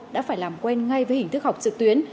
đã phải làm quen ngay với hình thức học trực tuyến